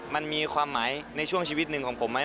มันมีความหมายในช่วงชีวิตหนึ่งของผมไหม